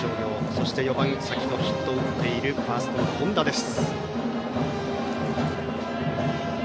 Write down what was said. そして、４番先程ヒットを打っているファーストの本田です。